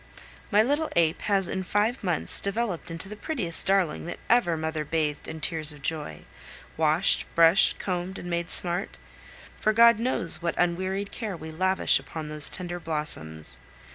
My little ape has in five months developed into the prettiest darling that ever mother bathed in tears of joy, washed, brushed, combed, and made smart; for God knows what unwearied care we lavish upon those tender blossoms!